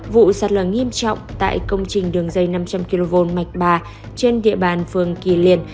vụ sạt lở nghiêm trọng tại công trình đường dây năm trăm linh kv mạch ba trên địa bàn phường kỳ liên